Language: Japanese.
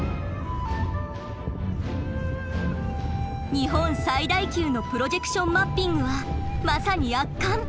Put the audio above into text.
日本最大級のプロジェクションマッピングはまさに圧巻！